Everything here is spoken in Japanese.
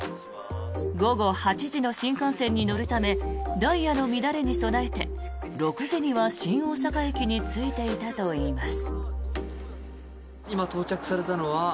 午後８時の新幹線に乗るためダイヤの乱れに備えて６時には新大阪駅に着いていたといいます。